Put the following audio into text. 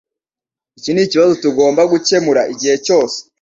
Icyo nikibazo tugomba gukemura igihe cyose